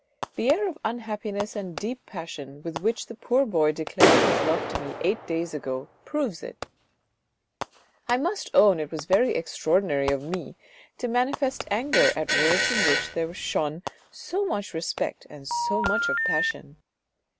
" The air of unhappiness and deep passion with which the poor boy declared his love to me eight days ago proves it ; I must own it was very extraordinary of me to manifest anger at words in which there shone so much respect and so much of passion.